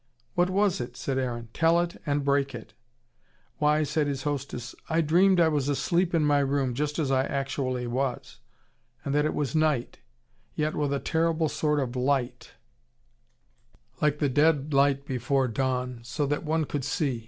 "What was it?" said Aaron. "Tell it, and break it." "Why," said his hostess, "I dreamed I was asleep in my room just as I actually was and that it was night, yet with a terrible sort of light, like the dead light before dawn, so that one could see.